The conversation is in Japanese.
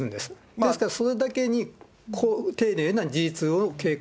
ですから、それだけに丁寧な事実